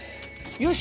よし！